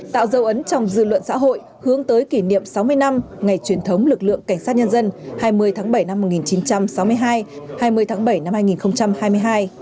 tạo dấu ấn trong dư luận xã hội hướng tới kỷ niệm sáu mươi năm ngày truyền thống lực lượng cảnh sát nhân dân hai mươi tháng bảy năm một nghìn chín trăm sáu mươi hai hai mươi tháng bảy năm hai nghìn hai mươi hai